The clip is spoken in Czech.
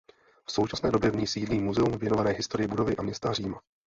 V současné době v ní sídlí muzeum věnované historii budovy a města Říma.